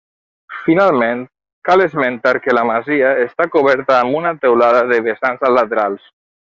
Finalment, cal esmentar que la masia està coberta amb una teulada de vessants a laterals.